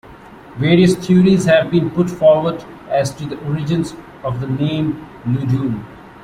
Various theories have been put forward as to the origins of the name "Loudoun".